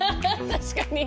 確かに。